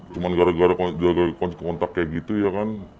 cuman gara gara kunci kontak kayak gitu ya kan